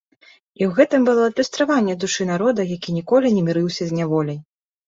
І ў гэтым было адлюстраванне душы народа, які ніколі не мірыўся з няволяй.